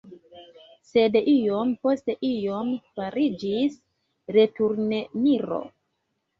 Sed iom post iom fariĝis returneniro.